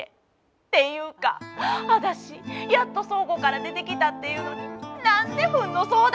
っていうか私やっと倉庫から出てきたっていうのに何でフンの相談しなあかんのよ。